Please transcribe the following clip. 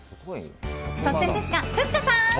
突然ですが、ふっかさん！